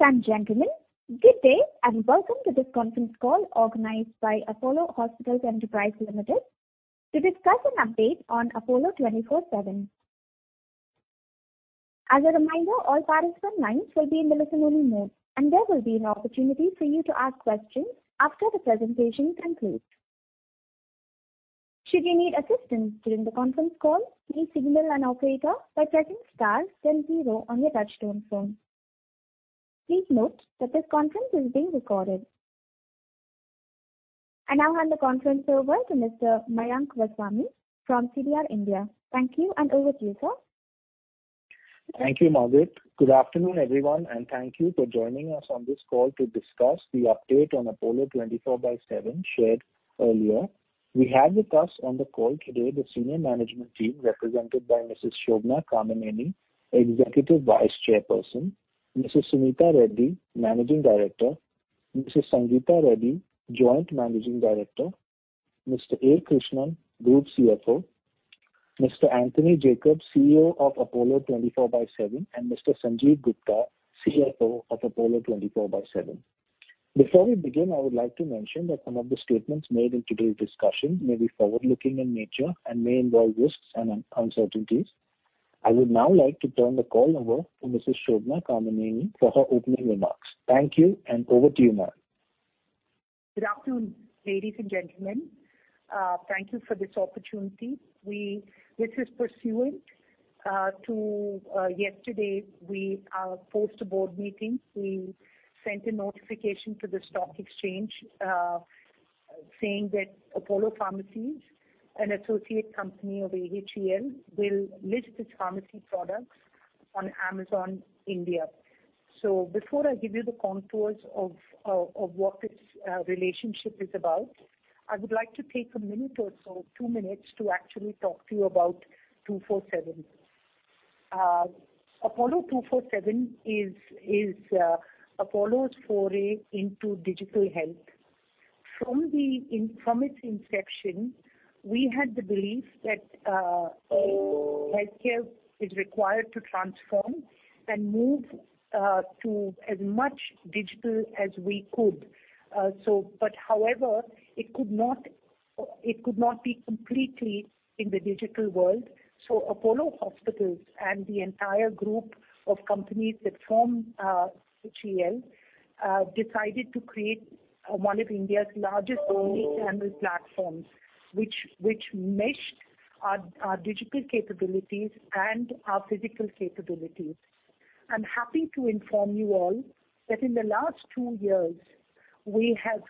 Ladies and gentlemen, good day, and welcome to this conference call organized by Apollo Hospitals Enterprise Limited to discuss an update on Apollo 24|7. As a reminder, all participant lines will be in listen-only mode, and there will be an opportunity for you to ask questions after the presentation concludes. Should you need assistance during the conference call, please signal an operator by pressing star then zero on your touchtone phone. Please note that this conference is being recorded. I now hand the conference over to Mr. Mayank Vaswani from CDR India. Thank you, and over to you, sir. Thank you, Margaret. Good afternoon, everyone, and thank you for joining us on this call to discuss the update on Apollo 24|7 shared earlier. We have with us on the call today the senior management team represented by Mrs. Shobana Kamineni, Executive Vice Chairperson, Mrs. Suneeta Reddy, Managing Director, Mrs. Sangita Reddy, Joint Managing Director, Mr. Krishnan Akhileswaran, Group CFO, Mr. Antony Jacob, CEO of Apollo 24|7, and Mr. Sanjiv Gupta, CFO of Apollo 24|7. Before we begin, I would like to mention that some of the statements made in today's discussion may be forward-looking in nature and may involve risks and uncertainties. I would now like to turn the call over to Mrs. Shobana Kamineni for her opening remarks. Thank you, and over to you, ma'am. Good afternoon, ladies and gentlemen. Thank you for this opportunity. This is pursuant to yesterday, post-board meeting, we sent a notification to the stock exchange, saying that Apollo Pharmacies, an associate company of AHEL, will list its pharmacy products on Amazon India. Before I give you the contours of what this relationship is about, I would like to take a minute or so, two minutes to actually talk to you about 24|7. Apollo 24|7 is Apollo's foray into digital health. From its inception, we had the belief that healthcare is required to transform and move to as much digital as we could. But however, it could not be completely in the digital world. Apollo Hospitals and the entire group of companies that form AHEL decided to create one of India's largest omnichannel platforms, which meshed our digital capabilities and our physical capabilities. I'm happy to inform you all that in the last two years, we have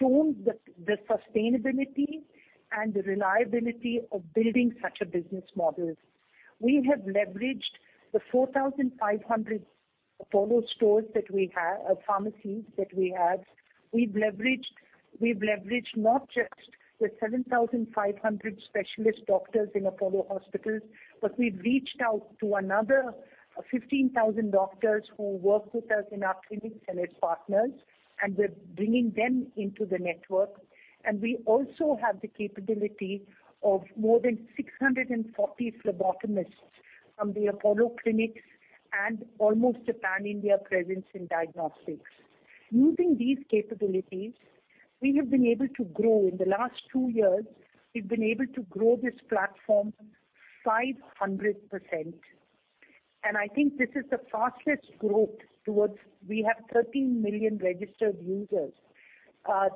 shown the sustainability and the reliability of building such a business model. We have leveraged the 4,500 Apollo stores that we have, pharmacies that we have. We've leveraged not just the 7,500 specialist doctors in Apollo Hospitals, but we've reached out to another 15,000 doctors who work with us in our clinics and as partners, and we're bringing them into the network. We also have the capability of more than 640 phlebotomists from the Apollo clinics and almost a pan-India presence in diagnostics. Using these capabilities, we have been able to grow. In the last two years, we've been able to grow this platform 500%. I think this is the fastest growth towards. We have 13 million registered users.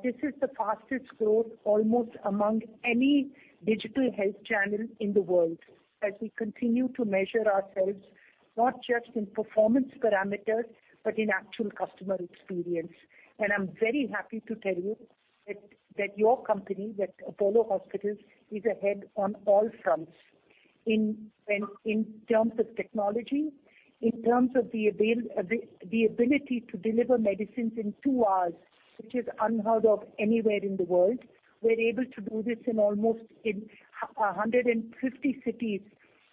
This is the fastest growth almost among any digital health channel in the world, as we continue to measure ourselves, not just in performance parameters, but in actual customer experience. I'm very happy to tell you that your company, Apollo Hospitals, is ahead on all fronts. In terms of technology, in terms of the ability to deliver medicines in two hours, which is unheard of anywhere in the world. We're able to do this in almost 150 cities,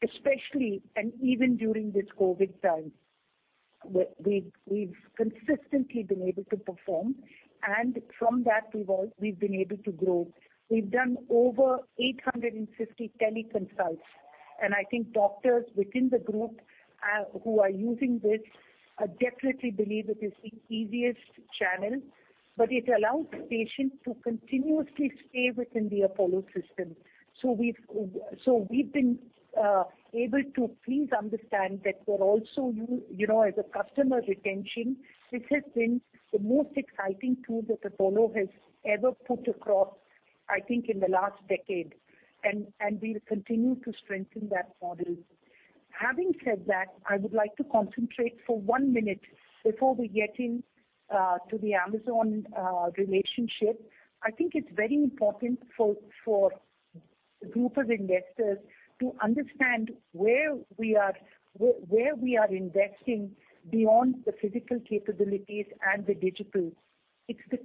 especially and even during this COVID time. We've consistently been able to perform. From that, we've been able to grow. We've done over 850 teleconsults, and I think doctors within the group who are using this definitely believe it is the easiest channel. It allows the patient to continuously stay within the Apollo system. We've been able to please understand that we're also you know, as a customer retention, this has been the most exciting tool that Apollo has ever put across, I think, in the last decade. We'll continue to strengthen that model. Having said that, I would like to concentrate for one minute before we get in to the Amazon relationship. I think it's very important for a group of investors to understand where we are, where we are investing beyond the physical capabilities and the digital. It's the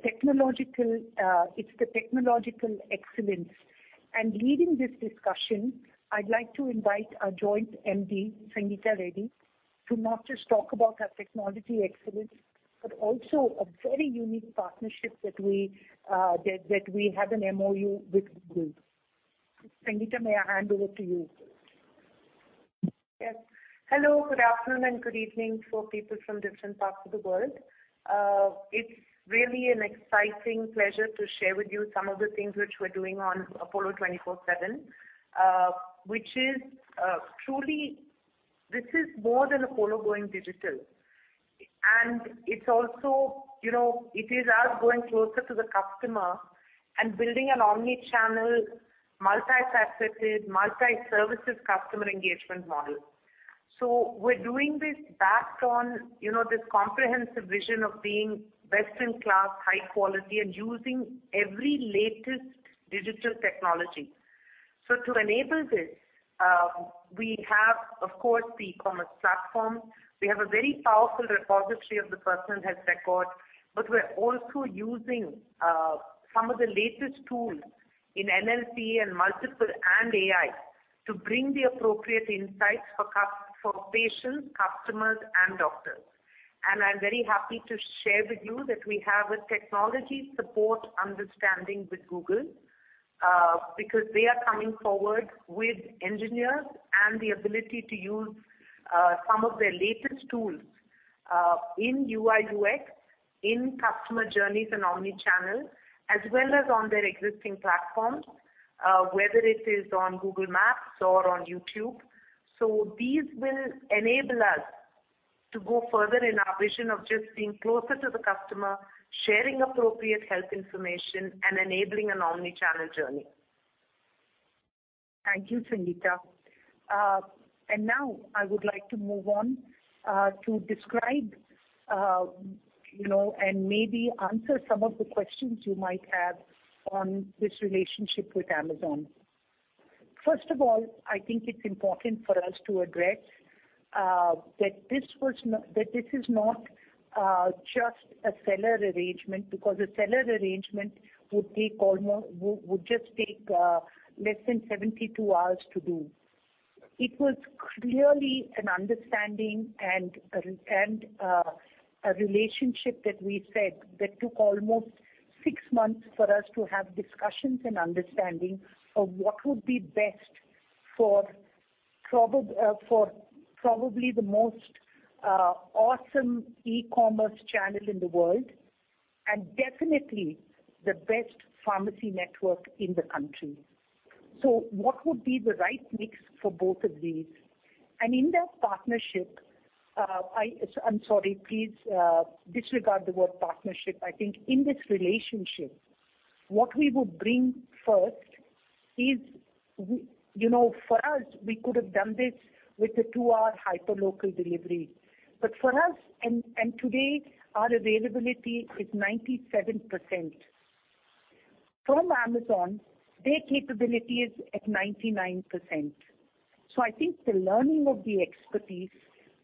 technological excellence. Leading this discussion, I'd like to invite our Joint MD, Sangita Reddy, to not just talk about our technological excellence, but also a very unique partnership that we have an MOU with Google. Sangeeta, may I hand over to you? Yes. Hello, good afternoon, and good evening for people from different parts of the world. It's really an exciting pleasure to share with you some of the things which we're doing on Apollo 24|7, which is truly this is more than Apollo going digital. It's also, you know, it is us going closer to the customer and building an omnichannel, multi-faceted, multi-services customer engagement model. We're doing this backed on, you know, this comprehensive vision of being best-in-class, high quality and using every latest digital technology. To enable this, we have, of course, the e-commerce platform. We have a very powerful repository of the personal health record, but we're also using some of the latest tools in NLP and AI to bring the appropriate insights for patients, customers, and doctors. I'm very happy to share with you that we have a technology support understanding with Google, because they are coming forward with engineers and the ability to use some of their latest tools in UI, UX, in customer journeys and omnichannel, as well as on their existing platforms, whether it is on Google Maps or on YouTube. These will enable us to go further in our vision of just being closer to the customer, sharing appropriate health information, and enabling an omnichannel journey. Thank you, Sangeeta. Now I would like to move on to describe, you know, and maybe answer some of the questions you might have on this relationship with Amazon. First of all, I think it's important for us to address that this is not just a seller arrangement, because a seller arrangement would just take less than 72 hours to do. It was clearly an understanding and a relationship that took almost six months for us to have discussions and understanding of what would be best for probably the most awesome e-commerce channel in the world, and definitely the best pharmacy network in the country. What would be the right mix for both of these? In that partnership, I... I'm sorry, please disregard the word partnership. I think in this relationship, what we would bring first is, you know, for us, we could have done this with a two-hour hyperlocal delivery. For us, and today, our availability is 97%. From Amazon, their capability is at 99%. I think the learning of the expertise,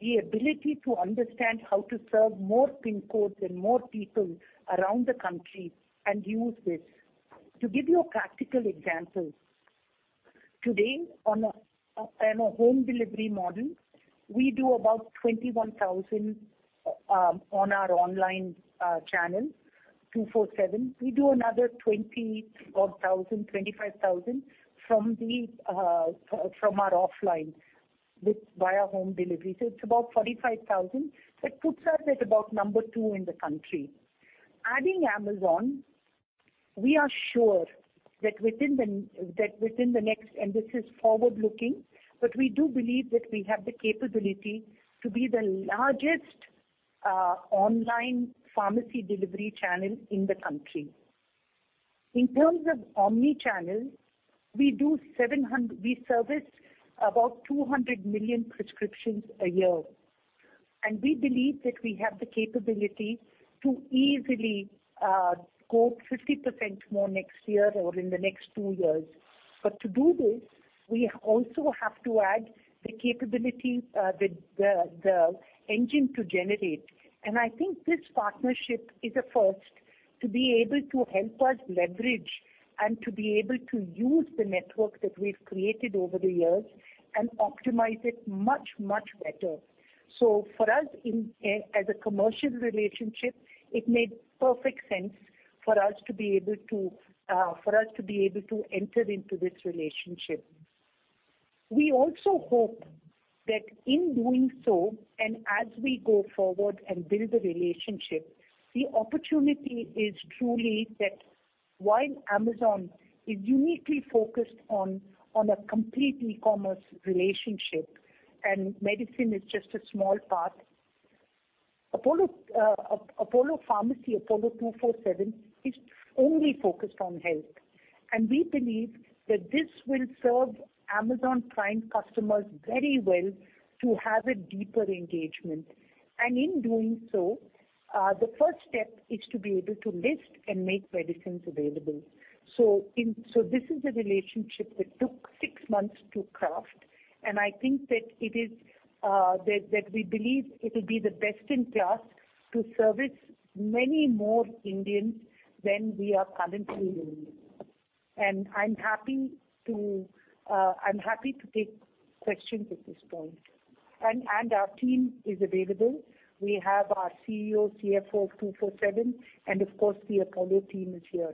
the ability to understand how to serve more PIN codes and more people around the country and use this. To give you a practical example, today on a home delivery model, we do about 21,000 on our online channel, two-four-seven. We do another 20-odd thousand, 25,000 from our offline via home delivery. It's about 45,000, that puts us at about number two in the country. Adding Amazon, we are sure that within the next, and this is forward-looking, but we do believe that we have the capability to be the largest online pharmacy delivery channel in the country. In terms of omnichannel, we service about 200 million prescriptions a year, and we believe that we have the capability to easily grow 50% more next year or in the next two years. But to do this, we also have to add the capability, the engine to generate. I think this partnership is a first to be able to help us leverage and to be able to use the network that we've created over the years and optimize it much, much better. For us, as a commercial relationship, it made perfect sense for us to be able to enter into this relationship. We also hope that in doing so and as we go forward and build the relationship, the opportunity is truly that while Amazon is uniquely focused on a complete e-commerce relationship, and medicine is just a small part. Apollo Pharmacy, Apollo 24|7 is only focused on health. We believe that this will serve Amazon Prime customers very well to have a deeper engagement. In doing so, the first step is to be able to list and make medicines available. This is a relationship that took six months to craft, and I think that it is we believe it'll be the best in class to service many more Indians than we are currently doing. I'm happy to take questions at this point. Our team is available. We have our CEO, CFO 24/7, and of course the Apollo team is here.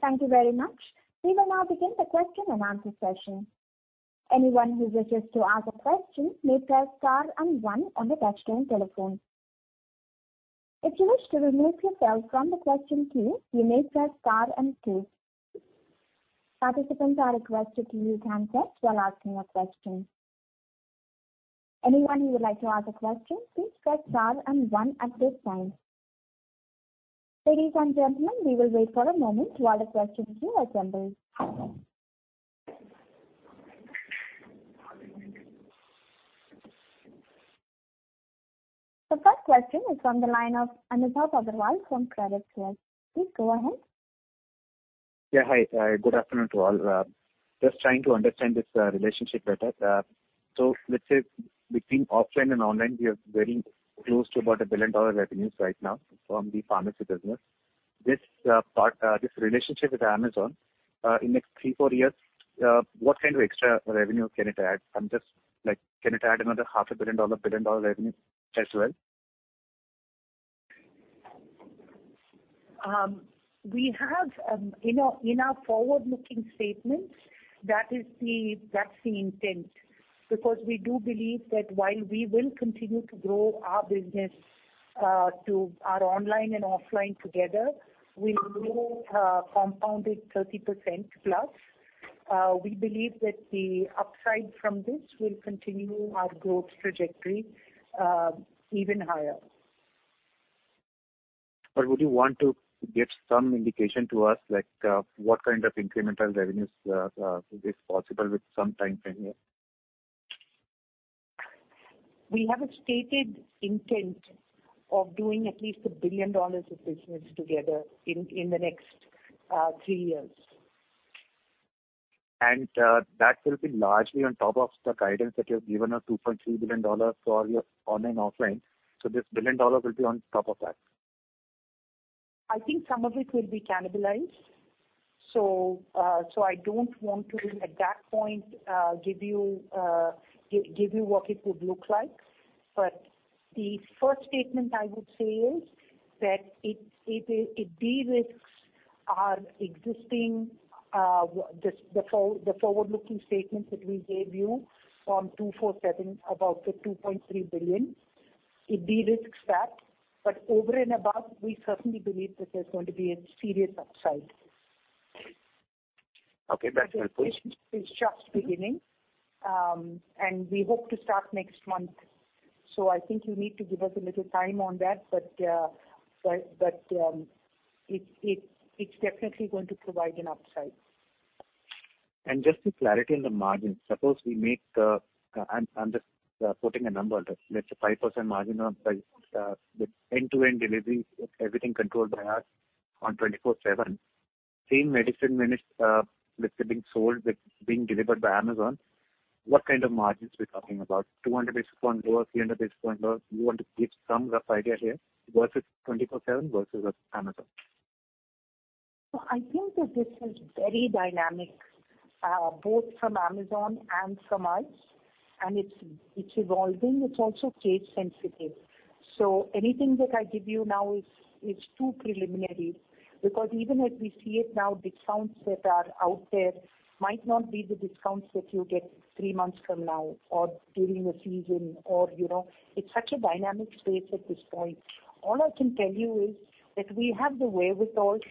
Thank you very much. We will now begin the question and answer session. Anyone who wishes to ask a question may press star and one on the touch-tone telephone. If you wish to remove yourself from the question queue, you may press star and two. Participants are requested to use handsets while asking a question. Anyone who would like to ask a question, please press star and one at this time. Ladies and gentlemen, we will wait for a moment while the question queue assembles. The first question is from the line of Anup Agrawal from Credit Suisse. Please go ahead. Yeah. Hi. Good afternoon to all. Just trying to understand this relationship better. Let's say between offline and online, we are very close to about $1 billion revenues right now from the pharmacy business. This part, this relationship with Amazon, in next three-four years, what kind of extra revenue can it add? I'm just like, can it add another half a $1 billion, $1 billion revenue as well? We have, in our forward-looking statements, that is, that's the intent. Because we do believe that while we will continue to grow our business to our online and offline together, we will grow at a compounded 30%+. We believe that the upside from this will continue our growth trajectory, even higher. Would you want to give some indication to us like, what kind of incremental revenues is possible with some time frame here? We have a stated intent of doing at least $1 billion of business together in the next three years. That will be largely on top of the guidance that you have given of $2.3 billion for your online, offline. This $1 billion will be on top of that? I think some of it will be cannibalized. I don't want to at that point give you what it would look like. The first statement I would say is that it de-risks our existing forward-looking statements that we gave you from 24|7 about the 2.3 billion. It de-risks that. Over and above, we certainly believe that there's going to be a serious upside. Okay, that's helpful. This is just beginning. We hope to start next month. I think you need to give us a little time on that. It's definitely going to provide an upside. Just for clarity on the margins, suppose we make, I'm just putting a number. Let's say 5% margin on the end-to-end delivery, everything controlled by us on 24/7. Same medicine when it's, let's say being sold with being delivered by Amazon, what kind of margins we're talking about? 200 basis points lower, 300 basis points lower? You want to give some rough idea here versus 24/7 versus Amazon. I think that this is very dynamic, both from Amazon and from us, and it's evolving. It's also case sensitive. Anything that I give you now is too preliminary because even as we see it now, discounts that are out there might not be the discounts that you'll get three months from now or during a season or, you know. It's such a dynamic space at this point. All I can tell you is that we have the wherewithal to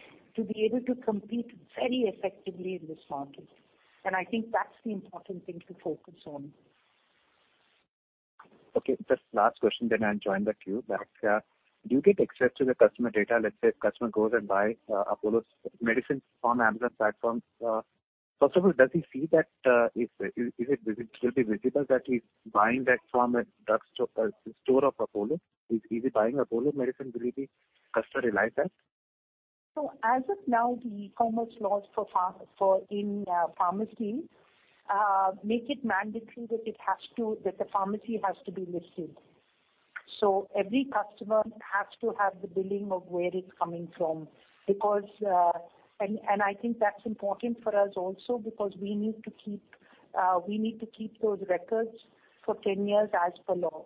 be able to compete very effectively in this market. I think that's the important thing to focus on. Okay, just last question, then I'll join the queue. That's, do you get access to the customer data? Let's say if a customer goes and buys Apollo's medicines from Amazon platform. First of all, does he see that? Is it? Will it be visible that he's buying that from a drug store of Apollo? Is he buying Apollo medicine? Will the customer realize that? As of now, the e-commerce laws for pharmacy make it mandatory that the pharmacy has to be listed. Every customer has to have the billing of where it's coming from because I think that's important for us also because we need to keep those records for 10 years as per law.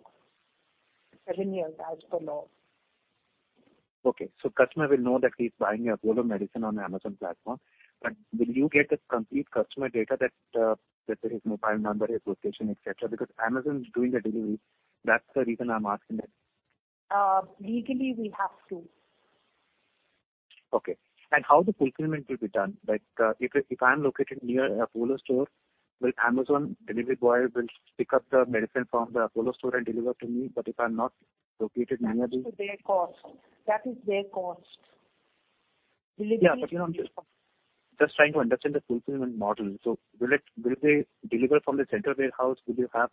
seven years as per law. Okay. Customer will know that he's buying Apollo medicine on Amazon platform. Will you get the complete customer data that his mobile number, his location, et cetera? Because Amazon is doing the delivery, that's the reason I'm asking that. Legally we have to. How the fulfillment will be done? Like, if I'm located near Apollo store, will Amazon delivery boy pick up the medicine from the Apollo store and deliver to me, but if I'm not located nearby? That is their cost. Delivery is Yeah. I'm just trying to understand the fulfillment model. Will they deliver from the central warehouse? Will you have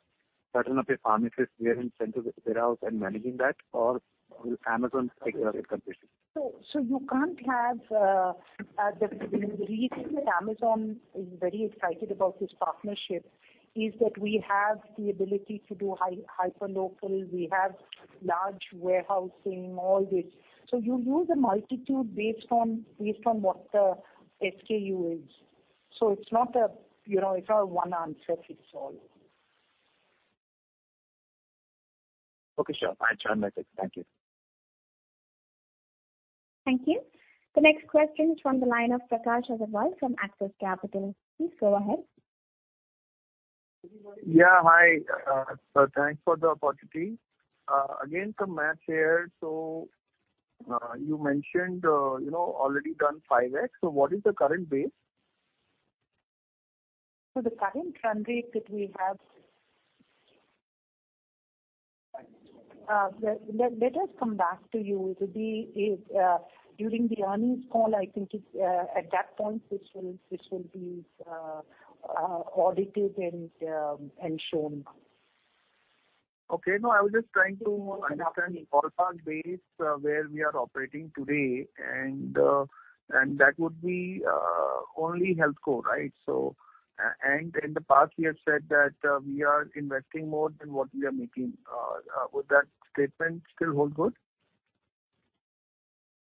certain of your pharmacists there in central warehouse and managing that, or will Amazon take care of it completely? You can't have the reason that Amazon is very excited about this partnership is that we have the ability to do hyperlocal. We have large warehousing, all this. You use a multitude based on what the SKU is. It's not a, you know, it's not a one answer fits all. Okay, sure. Fine, sure. Thank you. Thank you. The next question is from the line of Prakash Agarwal from Axis Capital. Please go ahead. Yeah, hi. Thanks for the opportunity. Again, some math here. You mentioned, you know, already done 5x. What is the current base? The current run rate that we have. Let us come back to you. It'll be during the earnings call. I think it's at that point this will be audited and shown. Okay. No, I was just trying to understand the ballpark base where we are operating today and that would be only HealthCo, right? So and in the past you have said that we are investing more than what we are making. Would that statement still hold good?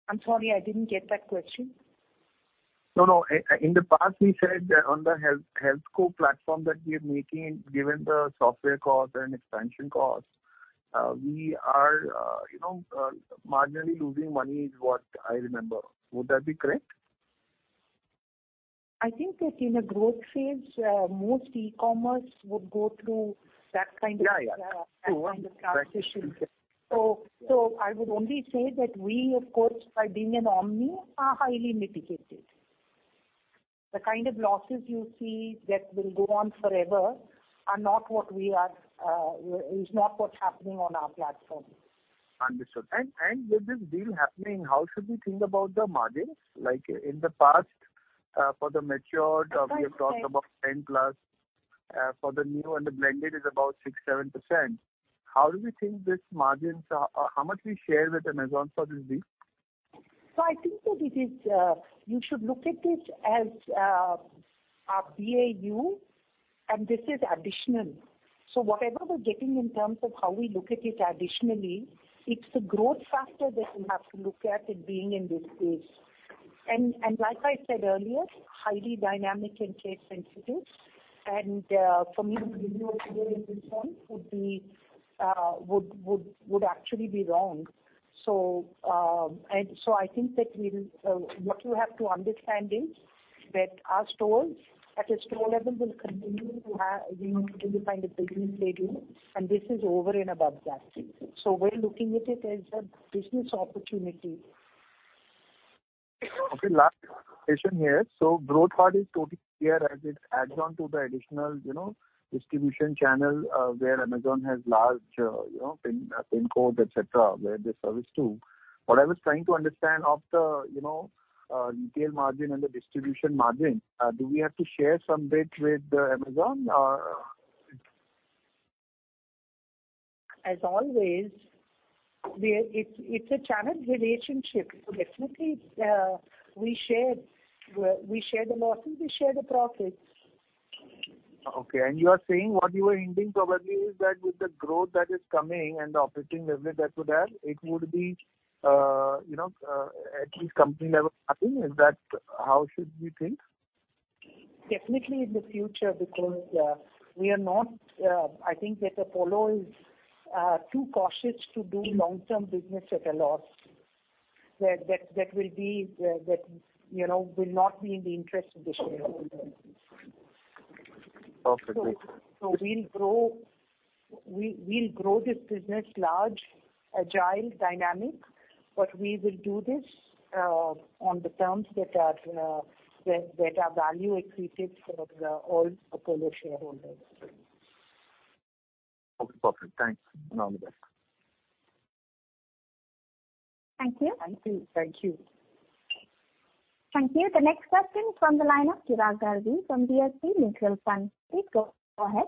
I'm sorry I didn't get that question. No, no. In the past, we said that on the HealthCo platform that we are making, given the software costs and expansion costs, we are, you know, marginally losing money is what I remember. Would that be correct? I think that in a growth phase, most e-commerce would go through that kind of. Yeah, yeah. that kind of transition. I would only say that we of course by being an omni are highly mitigated. The kind of losses you see that will go on forever are not what we are, is not what's happening on our platform. Understood. With this deal happening, how should we think about the margins? Like in the past, for the matured, we have talked about 10+, for the new and the blended is about 6%-7%. How do we think these margins are? How much we share with Amazon for this deal? I think that it is. You should look at it as our BAU, and this is additional. Whatever we're getting in terms of how we look at it additionally, it's a growth factor that we have to look at it being in this space. And like I said earlier, highly dynamic and case sensitive. For me to give you a figure at this point would actually be wrong. What you have to understand is that our stores at a store level will continue to have, you know, continue to find a business headroom, and this is over and above that. We're looking at it as a business opportunity. Okay, last question here. Growthpath is totally clear as it adds on to the additional, you know, distribution channel, where Amazon has large, you know, PIN code, et cetera, where they service too. What I was trying to understand of the, you know, retail margin and the distribution margin, do we have to share some bit with Amazon or As always, it's a channel relationship. Definitely, we share the losses, we share the profits. Okay. You are saying what you were hinting probably is that with the growth that is coming and the operating leverage that would add, it would be, you know, at least company level nothing. Is that how should we think? Definitely in the future, because we are not, I think that Apollo is too cautious to do long-term business at a loss. That, you know, will not be in the interest of the shareholder. Okay. We'll grow this business large, agile, dynamic, but we will do this on the terms that are value accretive for all Apollo shareholders. Okay, perfect. Thanks and all the best. Thank you. Thank you. Thank you. Thank you. The next question is from the line of Chirag Dagli from DSP Mutual Fund. Please go ahead.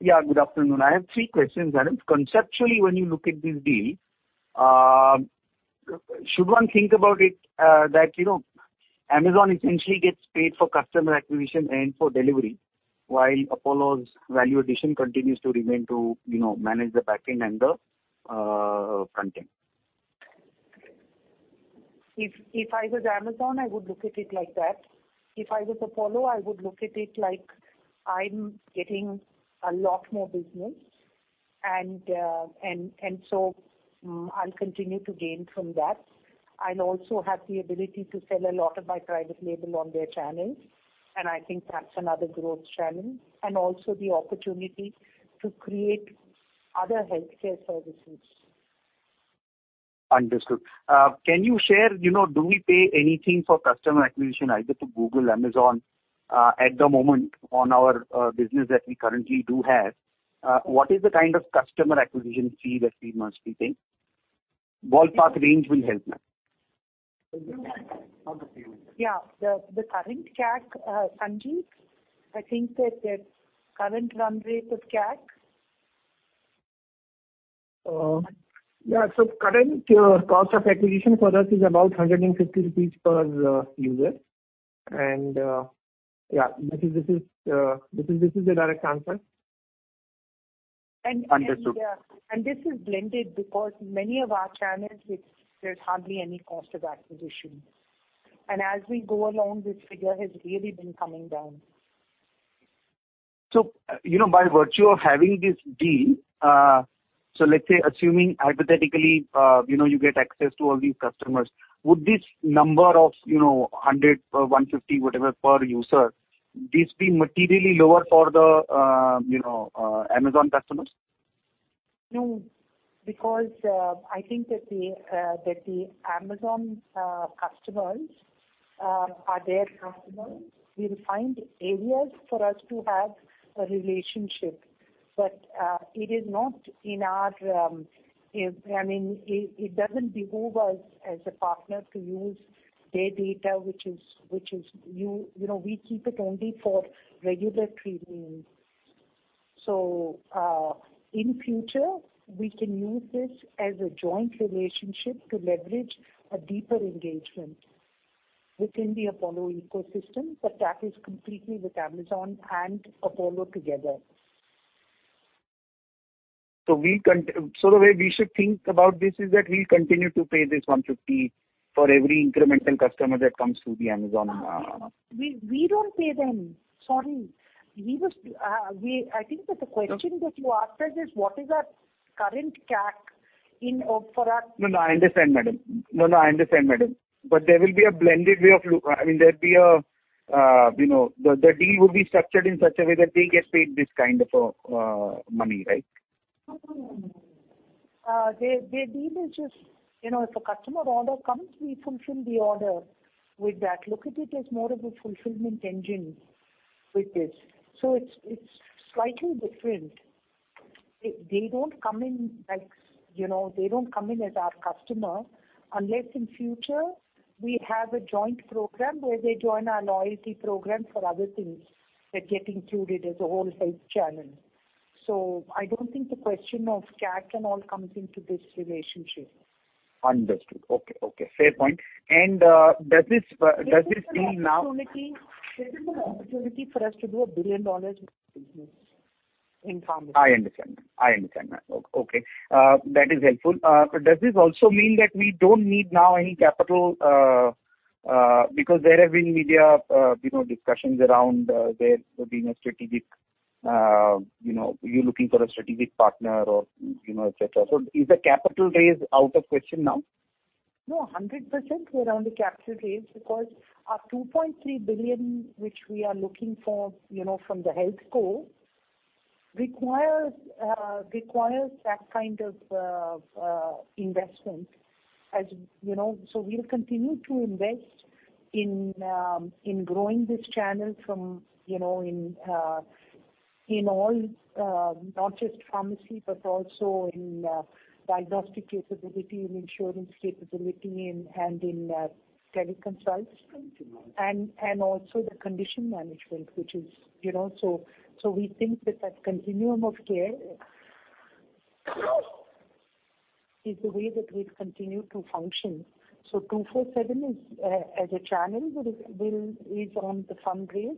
Yeah, good afternoon. I have three questions. Conceptually, when you look at this deal, should one think about it that you know Amazon essentially gets paid for customer acquisition and for delivery, while Apollo's value addition continues to remain to you know manage the backend and the frontend? If I was Amazon, I would look at it like that. If I was Apollo, I would look at it like I'm getting a lot more business and so I'll continue to gain from that. I'll also have the ability to sell a lot of my private label on their channels, and I think that's another growth channel, and also the opportunity to create other healthcare services. Understood. Can you share, you know, do we pay anything for customer acquisition either to Google, Amazon, at the moment on our business that we currently do have? What is the kind of customer acquisition fee that we must be paying? Ballpark range will help me. Yeah. The current CAC, Sanjiv, I think that the current run rate of CAC. Yeah. Current cost of acquisition for us is about 150 rupees per user. Yeah, this is the direct answer. Understood. This is blended because many of our channels which there's hardly any cost of acquisition. As we go along, this figure has really been coming down. You know, by virtue of having this deal, so let's say assuming hypothetically, you know, you get access to all these customers. Would this number of, you know, 100 or 150, whatever, per user, this be materially lower for the, you know, Amazon customers? No. I think that the Amazon customers are their customers. We'll find areas for us to have a relationship. It is not in our, I mean, it doesn't behoove us as a partner to use their data which is you know, we keep it only for regulatory means. In future we can use this as a joint relationship to leverage a deeper engagement within the Apollo ecosystem, but that is completely with Amazon and Apollo together. The way we should think about this is that we'll continue to pay 150 for every incremental customer that comes through Amazon. We don't pay them. Sorry. I think that the question that you asked us is what is our current CAC in or for our- No, I understand, madam. I mean, there'd be a, you know, the deal will be structured in such a way that they get paid this kind of money, right? Their deal is just, you know, if a customer order comes, we fulfill the order with that. Look at it as more of a fulfillment engine with this. It's slightly different. They don't come in like, you know, they don't come in as our customer unless in future we have a joint program where they join our loyalty program for other things that get included as a whole health channel. I don't think the question of CAC and all comes into this relationship. Understood. Okay. Okay. Fair point. Does this deal now- This is an opportunity for us to do a billion-dollar business in pharmacy. I understand, ma'am. Okay. That is helpful. But does this also mean that we don't need now any capital, because there have been media, you know, discussions around there being a strategic, you know, you looking for a strategic partner or, you know, et cetera. Is the capital raise out of question now? No, 100% we're on the capital raise because our 2.3 billion which we are looking for, you know, for the HealthCo requires that kind of investment. You know? We'll continue to invest in growing this channel, you know, in all, not just pharmacy, but also in diagnostic capability, in insurance capability, and in clinic consults, and also the condition management, which is, you know. We think that continuum of care is the way that we'll continue to function. Apollo 24|7 is a channel that is on the fundraise,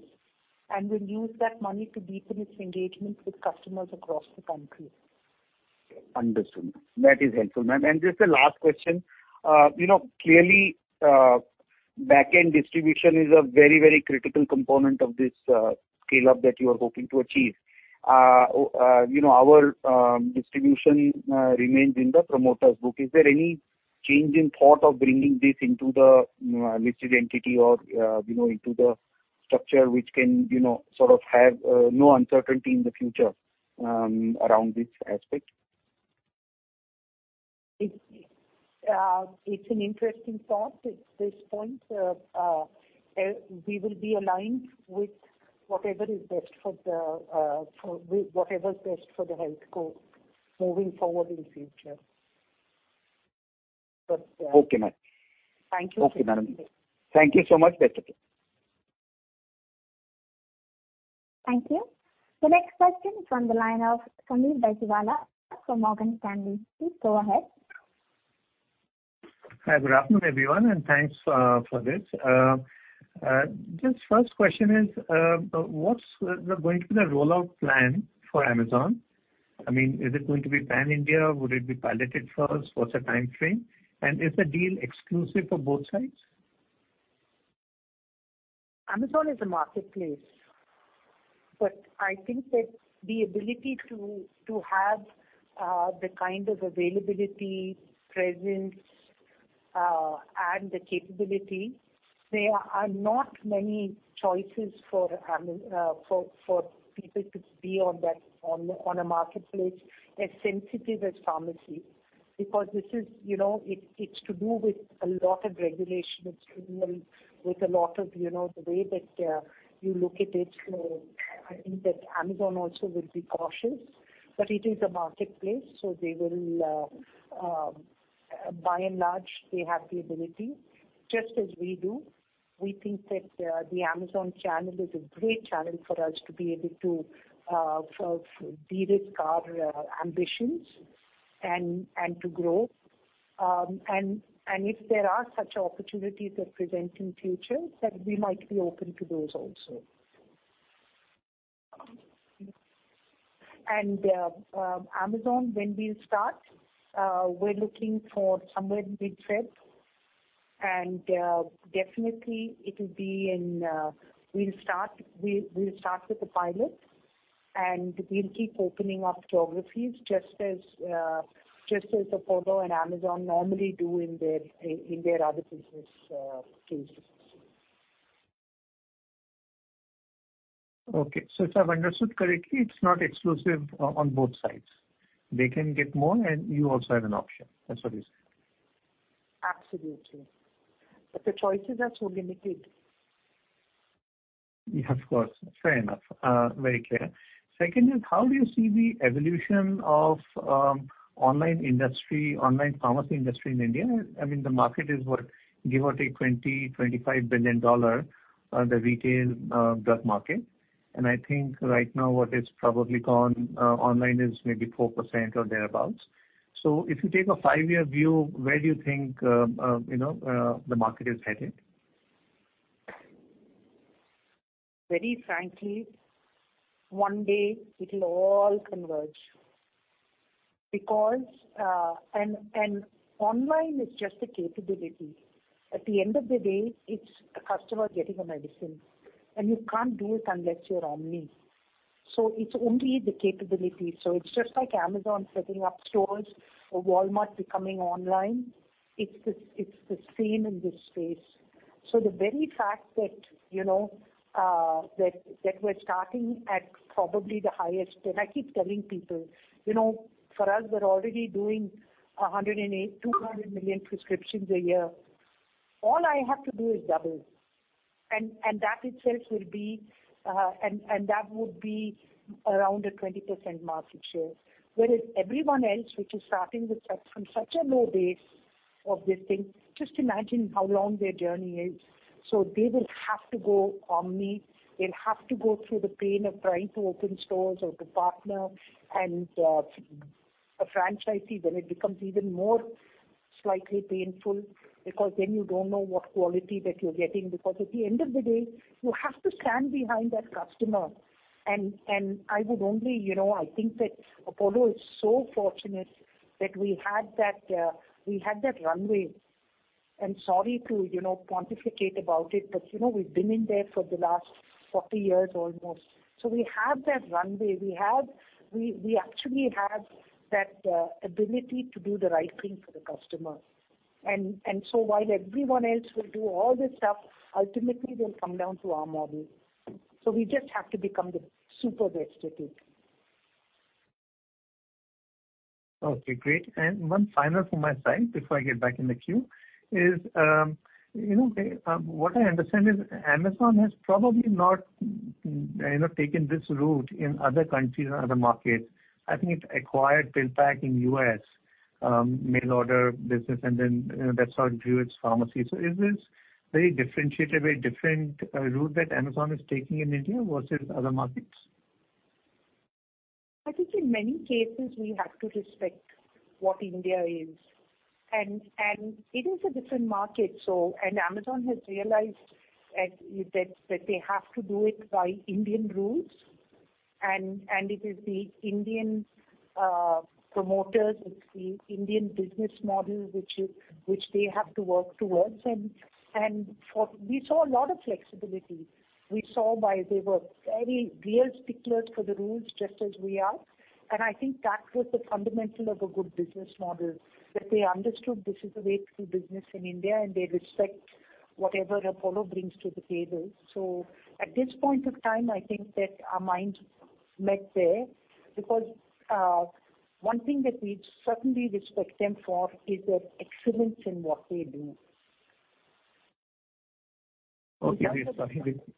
and we'll use that money to deepen its engagement with customers across the country. Understood. That is helpful, ma'am. Just a last question. You know, clearly, back-end distribution is a very critical component of this scale-up that you are hoping to achieve. You know, our distribution remains in the promoter's book. Is there any change in thought of bringing this into the listed entity or you know, into the structure which can you know, sort of have no uncertainty in the future around this aspect? It's an interesting thought at this point. We will be aligned with whatever is best for the HealthCo moving forward in future. Okay, ma'am. Thank you. Okay, madam. Thank you so much, Deshpande. Thank you. The next question is from the line of Sunil Bajaj from Morgan Stanley. Please go ahead. Hi, good afternoon, everyone, and thanks for this. Just first question is, what's going to be the rollout plan for Amazon? I mean, is it going to be pan-India? Would it be piloted first? What's the timeframe? Is the deal exclusive for both sides? Amazon is a marketplace. I think that the ability to have the kind of availability, presence and the capability, there are not many choices for people to be on a marketplace as sensitive as pharmacy. Because this is, you know, it's to do with a lot of regulation. It's to do with a lot of, you know, the way that you look at it. I think that Amazon also will be cautious. It is a marketplace, so they will by and large, they have the ability, just as we do. We think that the Amazon channel is a great channel for us to be able to sort of de-risk our ambitions and to grow. If there are such opportunities that present in future, that we might be open to those also. Amazon, when we'll start, we're looking for somewhere mid-February. Definitely it'll be in. We'll start with a pilot, and we'll keep opening up geographies just as Apollo and Amazon normally do in their other business cases. Okay. If I've understood correctly, it's not exclusive on both sides. They can get more and you also have an option. That's what you're saying? Absolutely. The choices are so limited. Yeah, of course. Fair enough. Very clear. Second is how do you see the evolution of online industry, online pharmacy industry in India? I mean, the market is what? Give or take $20 billion-$25 billion, the retail drug market. And I think right now what is probably gone online is maybe 4% or thereabout. If you take a five-year view, where do you think, you know, the market is headed? Very frankly, one day it'll all converge. Because online is just a capability. At the end of the day, it's a customer getting a medicine, and you can't do it unless you're omni. So it's only the capability. So it's just like Amazon setting up stores or Walmart becoming online. It's the same in this space. So the very fact that, you know, that we're starting at probably the highest. I keep telling people, you know, for us, we're already doing 108 million-200 million prescriptions a year. All I have to do is double. That itself will be, and that would be around a 20% market share. Whereas everyone else which is starting from such a low base of this thing, just imagine how long their journey is. They will have to go omnichannel. They'll have to go through the pain of trying to open stores or to partner a franchisee, then it becomes even more slightly painful because then you don't know what quality that you're getting. Because at the end of the day, you have to stand behind that customer. I would only, you know, I think that Apollo is so fortunate that we had that runway. Sorry to, you know, pontificate about it, but you know, we've been in there for the last 40 years almost. We have that runway. We actually have that ability to do the right thing for the customer. While everyone else will do all this stuff, ultimately they'll come down to our model. We just have to become the super best at it. Okay, great. One final from my side before I get back in the queue is, you know, what I understand is Amazon has probably not, you know, taken this route in other countries or other markets. I think it acquired PillPack in US, mail order business, and then, you know, that's how it grew its pharmacy. Is this very differentiated, very different, route that Amazon is taking in India versus other markets? I think in many cases we have to respect what India is. It is a different market. Amazon has realized that they have to do it by Indian rules. We saw a lot of flexibility. We saw why they were very real sticklers for the rules just as we are. I think that was the fundamental of a good business model, that they understood this is the way to do business in India, and they respect whatever Apollo brings to the table. At this point of time, I think that our minds met there because one thing that we'd certainly respect them for is their excellence in what they do. Okay.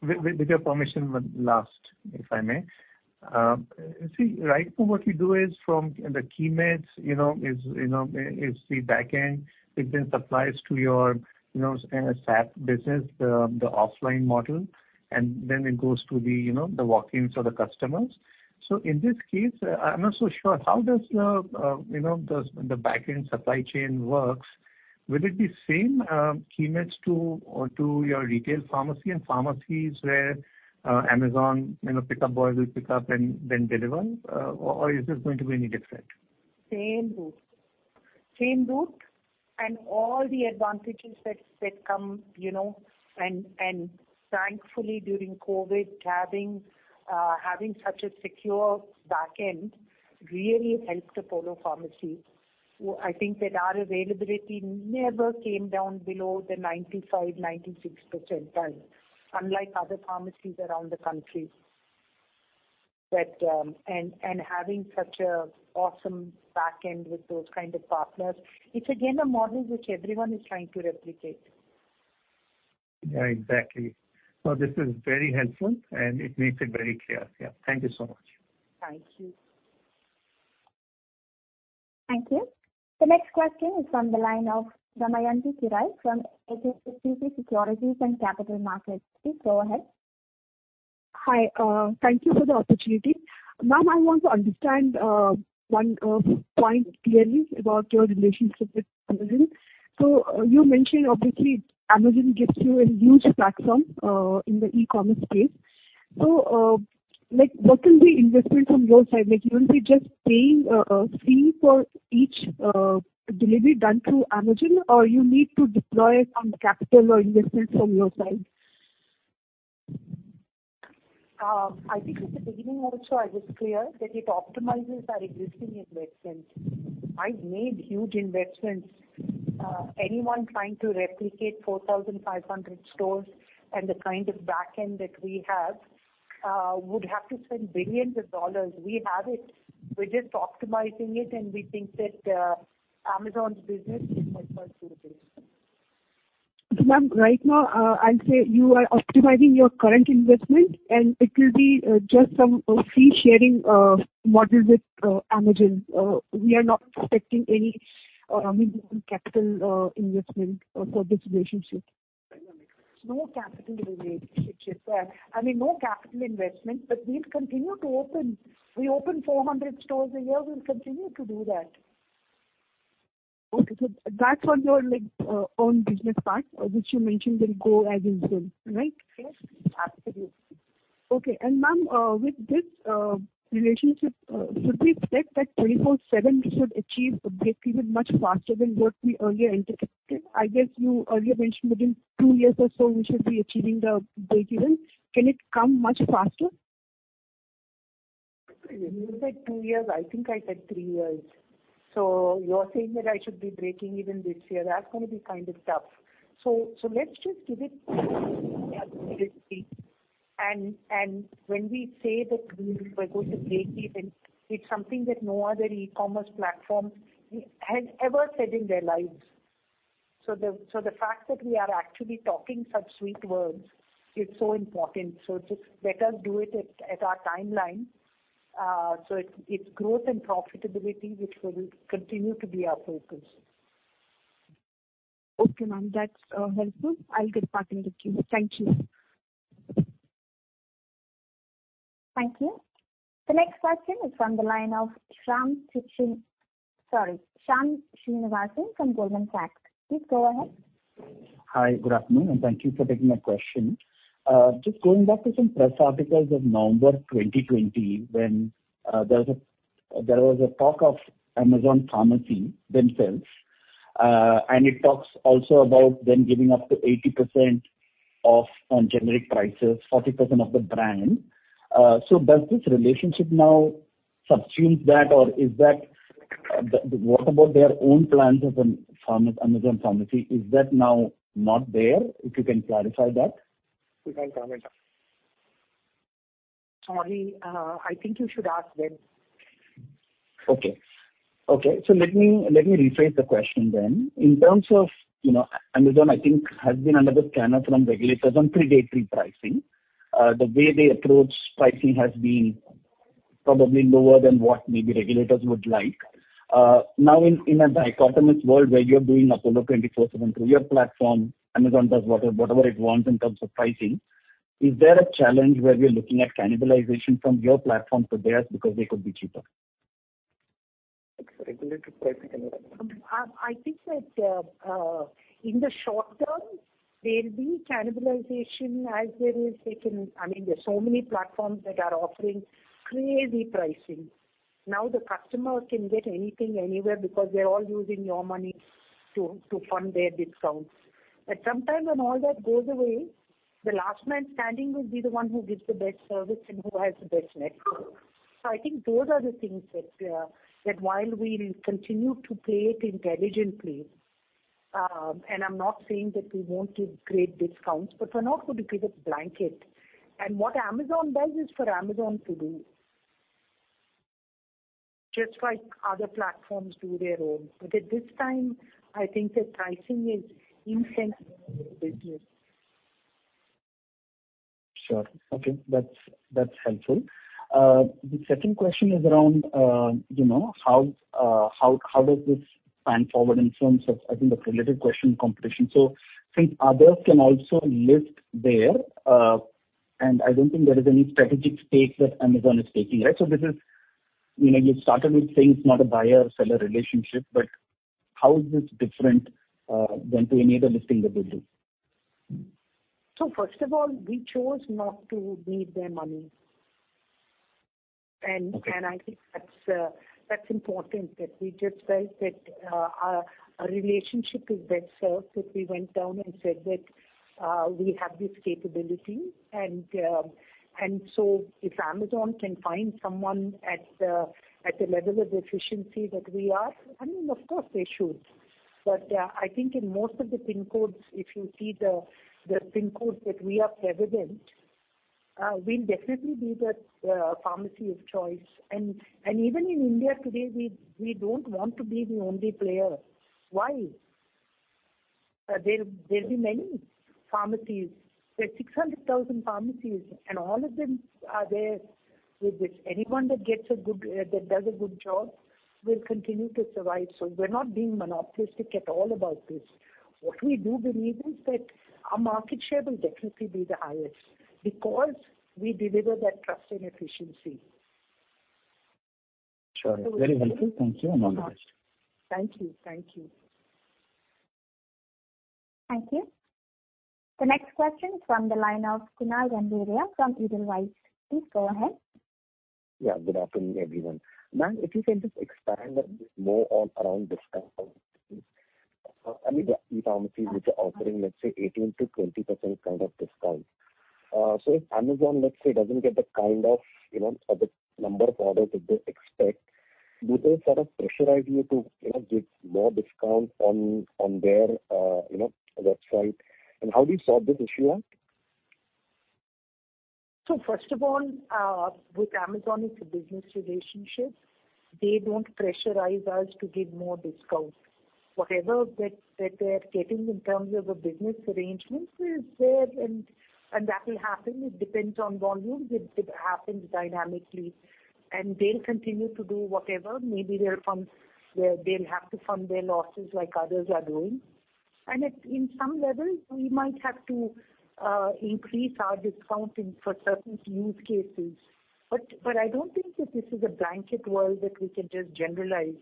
With your permission, one last, if I may. See, right now what we do is from the Keimed, you know, is the back end. It then supplies to your, you know, kind of SAP business, the offline model, and then it goes to the, you know, the walk-ins or the customers. In this case, I'm not so sure. How does the back-end supply chain works? Will it be same Keimed to or to your retail pharmacy and pharmacies where Amazon pickup boy will pick up and then deliver? Or is this going to be any different? Same route, and all the advantages that come, you know. Thankfully during COVID, having such a secure back end really helped Apollo Pharmacy. I think that our availability never came down below the 95%-96% time, unlike other pharmacies around the country. That and having such an awesome back end with those kind of partners, it's again a model which everyone is trying to replicate. Yeah, exactly. This is very helpful and it makes it very clear. Yeah. Thank you so much. Thank you. Thank you. The next question is from the line of Damayanti Kerai from HSBC Securities and Capital Markets. Please go ahead. Hi. Thank you for the opportunity. Ma'am, I want to understand one point clearly about your relationship with Amazon. You mentioned obviously Amazon gives you a huge platform in the e-commerce space. Like what will be investment from your side? Like you will be just paying a fee for each delivery done through Amazon, or you need to deploy some capital or investment from your side? I think at the beginning also I was clear that it optimizes our existing investments. I've made huge investments. Anyone trying to replicate 4,500 stores and the kind of back end that we have would have to spend billions of dollars. We have it. We're just optimizing it, and we think that Amazon's business is much more suitable. Ma'am, right now, I'll say you are optimizing your current investment and it will be just some fee sharing model with Amazon. We are not expecting any, I mean, capital investment for this relationship. No capital relationships. I mean, no capital investment, but we'll continue to open. We open 400 stores a year. We'll continue to do that. Okay. That's on your, like, own business part, which you mentioned will grow as usual. Right? Yes. Absolutely. Okay. Ma'am, with this relationship, should we expect that Apollo 24|7 we should achieve a breakeven much faster than what we earlier anticipated? I guess you earlier mentioned within two years or so we should be achieving the breakeven. Can it come much faster? You said two years. I think I said three years. You're saying that I should be breaking even this year. That's gonna be kind of tough. Let's just give it and when we say that we're going to break even, it's something that no other e-commerce platform has ever said in their lives. The fact that we are actually talking such sweet words is so important. Just let us do it at our timeline. It's growth and profitability which will continue to be our focus. Okay, ma'am. That's helpful. I'll get back with you. Thank you. Thank you. The next question is from the line of Shyam Srinivasan from Goldman Sachs. Please go ahead. Hi. Good afternoon, and thank you for taking my question. Just going back to some press articles of November 2020 when there was a talk of Amazon Pharmacy themselves, and it talks also about them giving up to 80% off on generic prices, 40% off the brand. Does this relationship now subsume that or is that? What about their own plans as an Amazon Pharmacy, is that now not there? If you can clarify that. Sorry. I think you should ask them. Let me rephrase the question then. In terms of, you know, Amazon, I think, has been under the scanner from regulators on predatory pricing. The way they approach pricing has been probably lower than what maybe regulators would like. Now in a dichotomous world where you're doing Apollo 24|7 through your platform, Amazon does whatever it wants in terms of pricing. Is there a challenge where we're looking at cannibalization from your platform to theirs because they could be cheaper? I think that in the short term there'll be cannibalization as there is, I think. I mean, there's so many platforms that are offering crazy pricing. Now the customer can get anything anywhere because they're all using your money to fund their discounts. Sometime when all that goes away, the last man standing will be the one who gives the best service and who has the best network. I think those are the things that while we continue to play it intelligently, and I'm not saying that we won't give great discounts, but we're not going to give it blanket. What Amazon does is for Amazon to do. Just like other platforms do their own. At this time, I think that pricing is insane business. Sure. Okay. That's helpful. The second question is around you know how does this pan out in terms of the related question on competition. Since others can also list there and I don't think there is any strategic stake that Amazon is taking right? This is you know you started with saying it's not a buyer-seller relationship but how is this different than any other listing that they do? First of all, we chose not to need their money. I think that's important that we just felt that our relationship is best served if we went down and said that we have this capability and so if Amazon can find someone at the level of efficiency that we are, I mean, of course they should. I think in most of the PIN codes, if you see the PIN codes that we are present, we'll definitely be the pharmacy of choice. Even in India today, we don't want to be the only player. Why? There'll be many pharmacies. There are 600,000 pharmacies, and all of them are there with this. Anyone that does a good job will continue to survive. We're not being monopolistic at all about this. What we do believe is that our market share will definitely be the highest because we deliver that trust and efficiency. Sure. Very helpful. Thank you and all the best. Thank you. Thank you. Thank you. The next question from the line of Kunal Gandhia from Edelweiss. Please go ahead. Yeah, good afternoon, everyone. Ma'am, if you can just expand a bit more on the discount. I mean, the e-commerce which are offering, let's say 18%-20% kind of discount. So if Amazon, let's say, doesn't get the kind of, you know, or the number of orders that they expect, do they sort of pressurize you to, you know, give more discount on their, you know, website? How do you sort this issue out? First of all, with Amazon, it's a business relationship. They don't pressurize us to give more discount. Whatever that they're getting in terms of a business arrangement is there and that will happen. It depends on volumes. It happens dynamically. They'll continue to do whatever. Maybe they'll have to fund their losses like others are doing. At some levels, we might have to increase our discounting for certain use cases. I don't think that this is a blanket word that we can just generalize.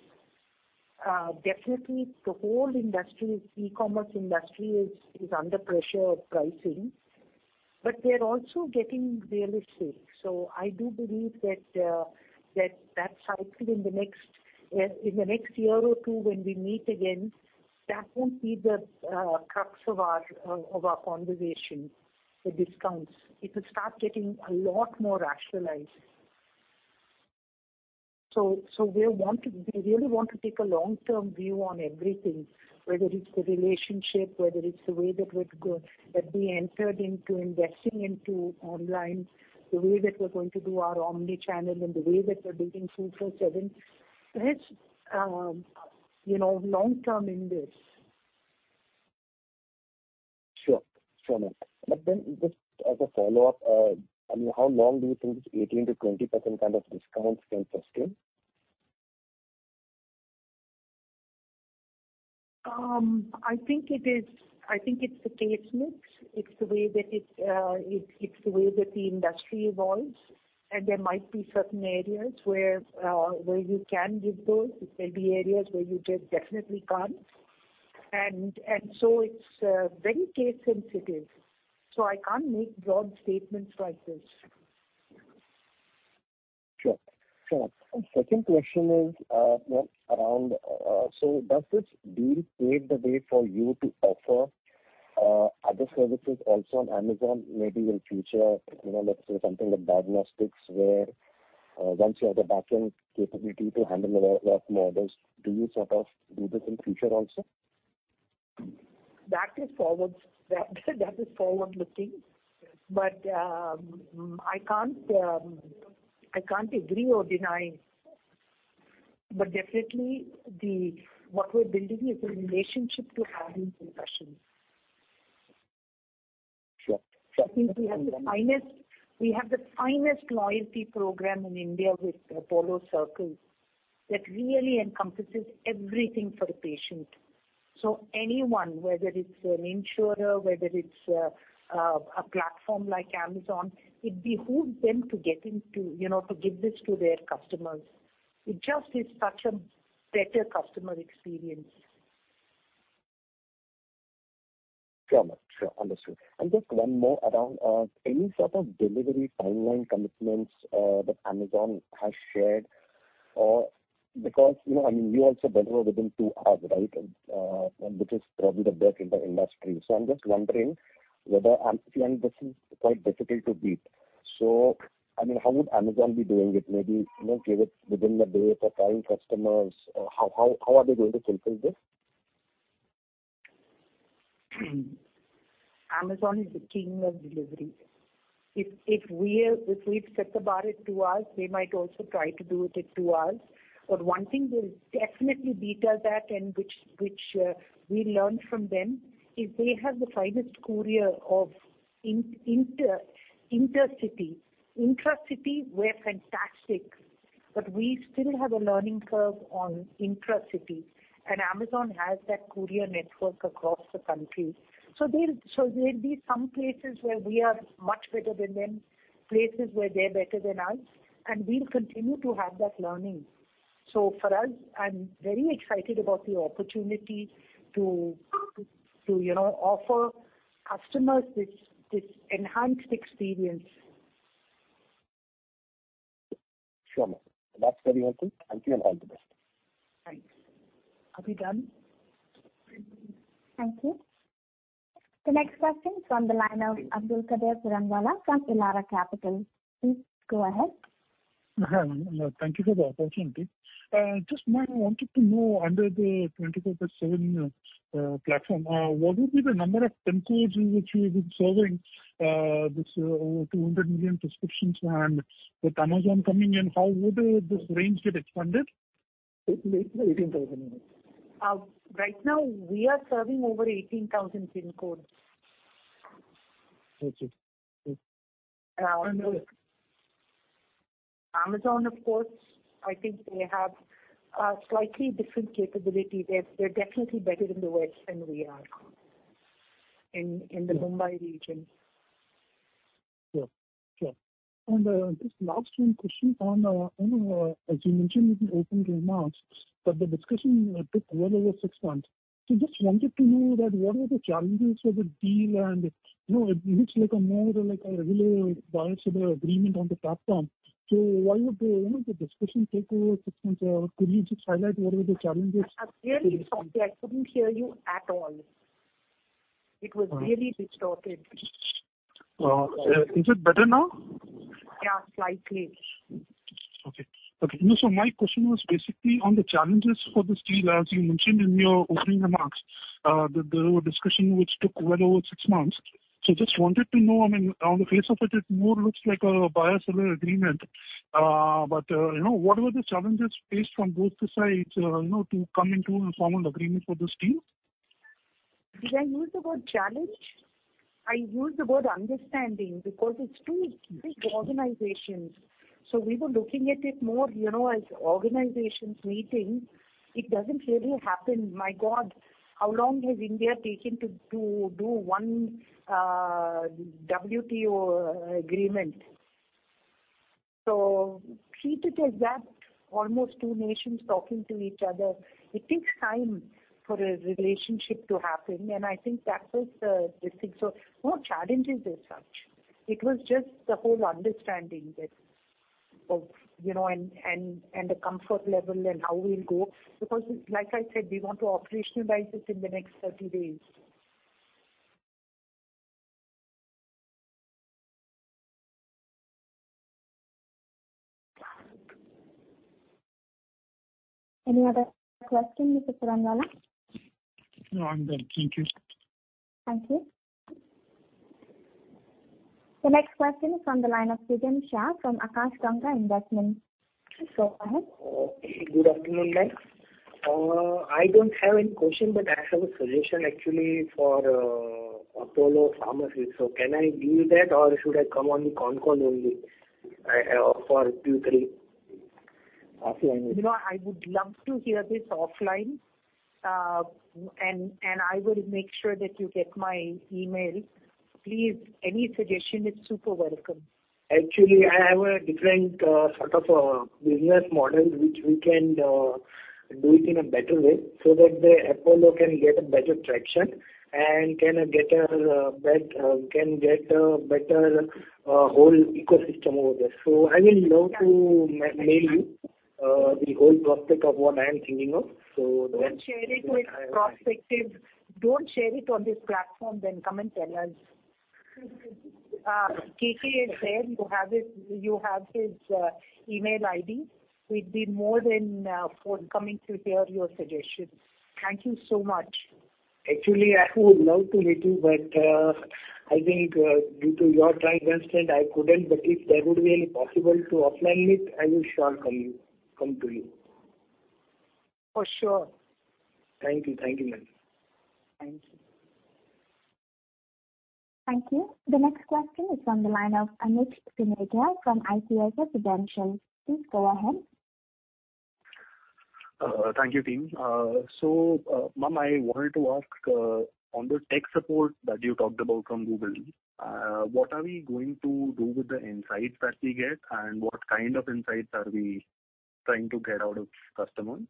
Definitely the whole industry, e-commerce industry is under pressure of pricing. They're also getting realistic. I do believe that cycle in the next year or two when we meet again, that won't be the crux of our conversation, the discounts. It will start getting a lot more rationalized. We really want to take a long-term view on everything, whether it's the relationship, whether it's the way that we entered into investing into online, the way that we're going to do our omnichannel and the way that we're building 24/7. It's, you know, long-term in this. Sure. Sure, ma'am. Just as a follow-up, I mean, how long do you think this 18%-20% kind of discount can sustain? I think it's the case mix. It's the way that it it's the way that the industry evolves. There might be certain areas where you can give those. There may be areas where you just definitely can't. It's very case sensitive, so I can't make broad statements like this. Sure. Sure. Second question is, ma'am around, so does this deal pave the way for you to offer other services also on Amazon maybe in future, you know, let's say something like diagnostics, where once you have the backend capability to handle a lot more orders, do you sort of do this in future also? That is forward-looking. I can't agree or deny. Definitely what we're building is a relationship to having discussions. Sure. Sure. I think we have the finest loyalty program in India with Apollo Circle that really encompasses everything for the patient. Anyone, whether it's an insurer, whether it's a platform like Amazon, it behooves them to get into, you know, to give this to their customers. It just is such a better customer experience. Sure, ma'am. Sure. Understood. Just one more around any sort of delivery timeline commitments that Amazon has shared? Or because, you know, I mean, you also deliver within two hours, right? Which is probably the best in the industry. I'm just wondering whether, I mean, this is quite difficult to beat. I mean, how would Amazon be doing it? Maybe, you know, give it within a day for Prime customers. How are they going to fulfill this? Amazon is the king of delivery. If we've set the bar at two hours, they might also try to do it at two hours. One thing they'll definitely beat us at and which we learned from them is they have the finest courier for intercity. Intracity, we're fantastic, but we still have a learning curve on intracity, and Amazon has that courier network across the country. There'll be some places where we are much better than them, places where they're better than us, and we'll continue to have that learning. For us, I'm very excited about the opportunity to you know offer customers this enhanced experience. Sure, ma'am. That's very helpful. Thank you, and all the best. Thanks. Are we done? Thank you. The next question from the line of Abdulkader Puranwala from Elara Capital. Please go ahead. Hi, ma'am. Thank you for the opportunity. Just, ma'am, I wanted to know under the 24/7 platform what would be the number of PIN codes which you would be serving this over 200 million prescriptions? With Amazon coming in, how would this range get expanded? 18,000. Right now we are serving over 18,000 PIN codes. Got you. Amazon, of course, I think they have a slightly different capability. They're definitely better in the West than we are in the Mumbai region. Sure, sure. Just last one question on, you know, as you mentioned in the opening remarks that the discussion took well over six months. Just wanted to know what the challenges for the deal are and, you know, it looks more like a regular buyer-seller agreement on the platform. Why would, you know, the discussion take over six months? Could you just highlight what the challenges were? I'm really sorry. I couldn't hear you at all. It was really distorted. Is it better now? Yeah, slightly. Okay. No, my question was basically on the challenges for this deal. As you mentioned in your opening remarks, that there were discussion which took well over six months. Just wanted to know, I mean, on the face of it more looks like a buyer-seller agreement. You know, what were the challenges faced from both the sides, you know, to come into a formal agreement for this deal? Did I use the word challenge? I used the word understanding because it's two big organizations. So we were looking at it more, you know, as organizations meeting. It doesn't really happen. My God, how long has India taken to do one WTO agreement? So treat it as that. Almost two nations talking to each other. It takes time for a relationship to happen, and I think that was the thing. So no challenges as such. It was just the whole understanding that of, you know, and the comfort level and how we'll go. Because like I said, we want to operationalize this in the next 30 days. Any other question, Mr. Abdulkader Puranwala? No, I'm good. Thank you. Thank you. The next question is on the line of Sujan Shah from Akashi Ganga Investments. Please go ahead. Okay. Good afternoon, ma'am. I don't have any question, but I have a suggestion actually for Apollo Pharmacy. Can I give that or should I come on concall only for Q3 offline with you? You know, I would love to hear this offline. I will make sure that you get my email. Please, any suggestion is super welcome. Actually, I have a different sort of a business model which we can do it in a better way so that the Apollo can get a better traction and can get a better whole ecosystem over there. I will like to mail you the whole prospect of what I am thinking of. Don't- Don't share it with prospective. Don't share it on this platform, then come and tell us. KK is there. You have his email ID. We'd be more than forthcoming to hear your suggestion. Thank you so much. Actually, I would love to meet you, but I think due to your time constraint I couldn't. If there would be any possible to offline meet, I will sure come to you. For sure. Thank you. Thank you, ma'am. Thank you. Thank you. The next question is from the line of Anuj Suneja from ICICI Prudential. Please go ahead. Thank you, team. Ma'am, I wanted to ask on the tech support that you talked about from Google. What are we going to do with the insights that we get, and what kind of insights are we trying to get out of customers?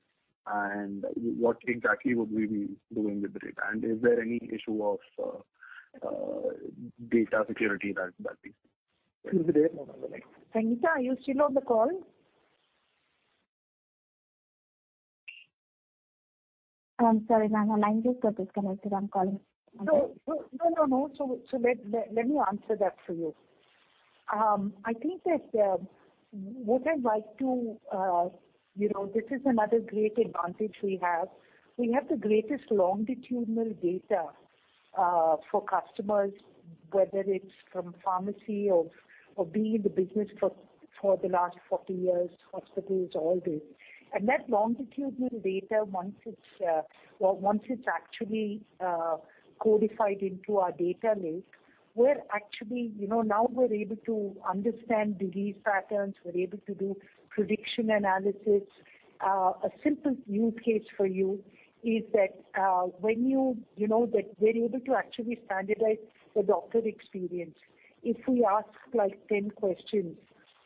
What exactly would we be doing with it? Is there any issue of data security that is? Sangeeta, are you still on the call? I'm sorry, ma'am. My line just got disconnected. I'm calling. No. Let me answer that for you. I think that what I'd like to. You know, this is another great advantage we have. We have the greatest longitudinal data for customers, whether it's from pharmacy or being in the business for the last 40 years, hospitals, all this. That longitudinal data, once it's actually codified into our data lake, we're actually. You know, now we're able to understand disease patterns. We're able to do predictive analysis. A simple use case for you is that when you. You know, that we're able to actually standardize the doctor experience. If we ask like 10 questions,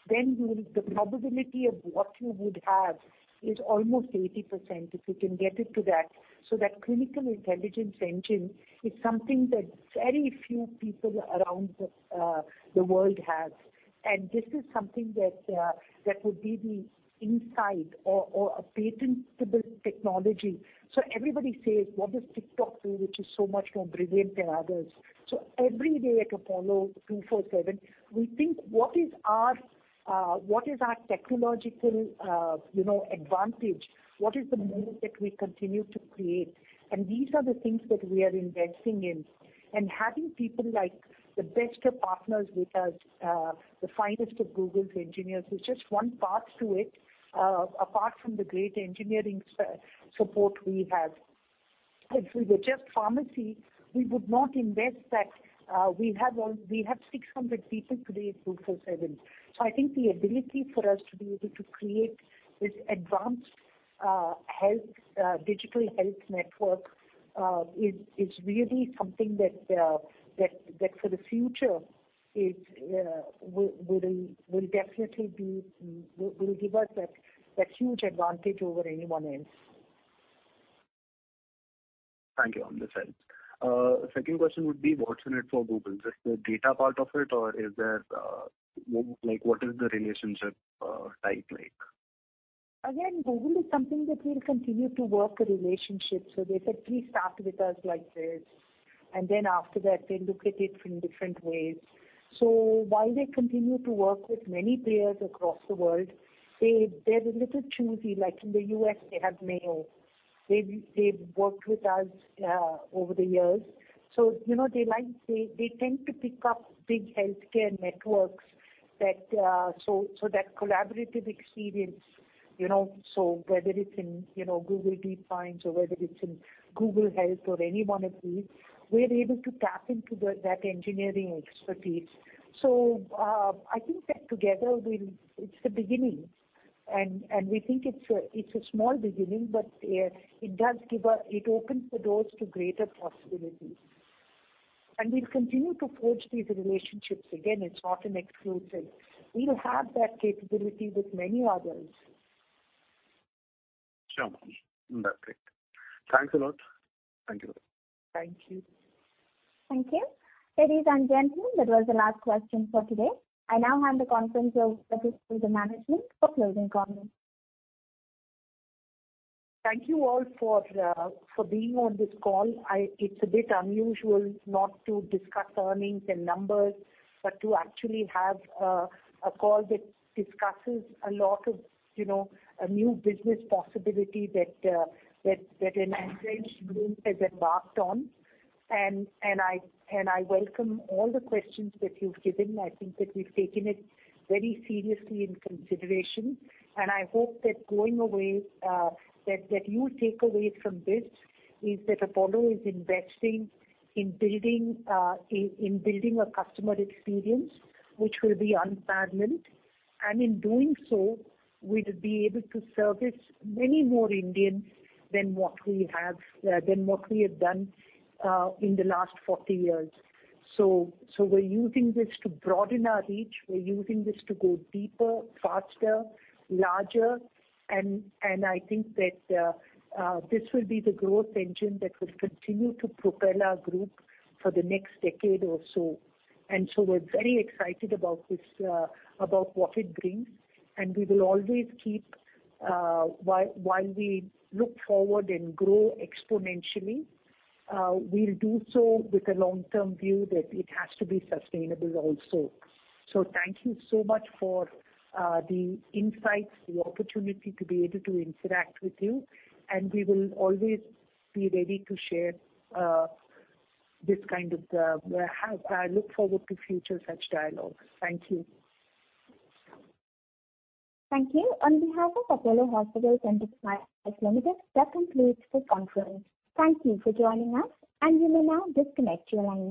then the probability of what you would have is almost 80% if you can get it to that. That clinical intelligence engine is something that very few people around the world have. This is something that would be the insight or a patentable technology. Everybody says, what does TikTok do which is so much more brilliant than others? Every day at Apollo 24|7, we think what is our technological, you know, advantage? What is the moment that we continue to create? These are the things that we are investing in. Having people like the best of partners with us, the finest of Google's engineers is just one part to it, apart from the great engineering support we have. If we were just pharmacy, we would not invest that. We have 600 people today at 247. I think the ability for us to be able to create this advanced digital health network is really something that, for the future, will definitely give us that huge advantage over anyone else. Thank you. Understood. Second question would be what's in it for Google? Just the data part of it or is there, like what is the relationship, type like? Again, Google is something that we'll continue to work on a relationship. They said, "Please start with us like this." Then after that they look at it in different ways. While they continue to work with many players across the world, they're a little choosy. Like in the US they have Mayo. They've worked with us over the years. You know, they like. They tend to pick up big healthcare networks, that collaborative experience, you know. Whether it's in Google DeepMind or whether it's in Google Health or any one of these, we're able to tap into that engineering expertise. I think that together we'll. It's the beginning, and we think it's a small beginning, but it opens the doors to greater possibilities. We'll continue to forge these relationships. Again, it's not an exclusive. We'll have that capability with many others. Sure. Perfect. Thanks a lot. Thank you. Thank you. Thank you. Ladies and gentlemen, that was the last question for today. I now hand the conference over to the management for closing comments. Thank you all for being on this call. It's a bit unusual not to discuss earnings and numbers, but to actually have a call that discusses a lot of, you know, a new business possibility that an entrenched group has embarked on. I welcome all the questions that you've given. I think that we've taken it very seriously in consideration. I hope that going away, that you take away from this is that Apollo is investing in building a customer experience which will be unparalleled. In doing so, we'll be able to service many more Indians than what we have done in the last 40 years. We're using this to broaden our reach. We're using this to go deeper, faster, larger, and I think that this will be the growth engine that will continue to propel our group for the next decade or so. We're very excited about this, about what it brings. We will always keep while we look forward and grow exponentially, we'll do so with a long-term view that it has to be sustainable also. Thank you so much for the insights, the opportunity to be able to interact with you, and we will always be ready to share this kind of wherewithal. I look forward to future such dialogues. Thank you. Thank you. On behalf of Apollo Hospitals Enterprise Limited, that concludes the conference. Thank you for joining us, and you may now disconnect your line.